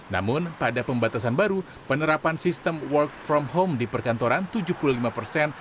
namun pada pembatasan baru penerapan sistem work from home di perkantoran tujuh puluh lima persen